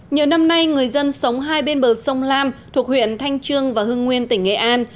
nhiều năm nay người dân sống hai bên bờ sông lam thuộc huyện thanh trương và hưng nguyên tỉnh nghệ an